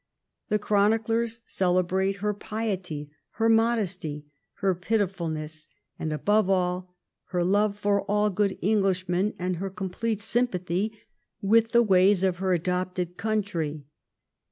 The chroniclers celebrate her X THE SCOTTISH OVERLORDSHIP 177 piety, her modesty, her pitifulness, and above all her love for all good Englishmen, and her complete sympathy with the ways of her adopted country.